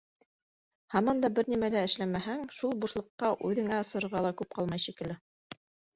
Һаман да бер нәмә лә эшләмәһәң, шул бушлыҡҡа үҙеңә осорға ла күп ҡалмай шикелле.